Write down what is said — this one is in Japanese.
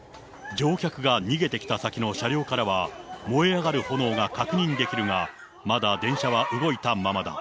乗客が逃げてきた先の車両からは、燃え上がる炎が確認できるが、まだ電車は動いたままだ。